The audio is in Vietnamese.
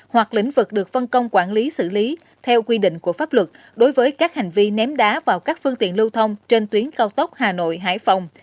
hoặc lĩnh vực được phân công quản lý xử lý theo quy định của pháp luật đối với các hành vi ném đá vào các phương tiện lưu thông trên tuyến cao tốc hà nội hải phòng